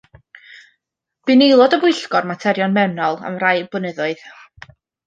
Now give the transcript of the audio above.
Bu'n aelod o Bwyllgor Materion Mewnol am rai blynyddoedd.